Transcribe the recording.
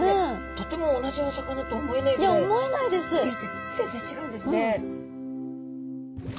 とても同じお魚とは思えないぐらい部位で全然違うんですね。